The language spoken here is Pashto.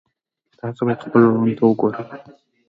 تاسو باید خپلو وروڼو ته وګورئ.